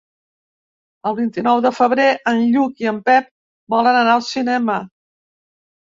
El vint-i-nou de febrer en Lluc i en Pep volen anar al cinema.